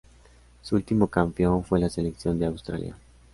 Su último campeón fue la selección de Australia.